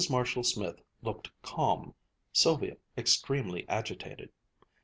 Marshall Smith looked calm, Sylvia extremely agitated.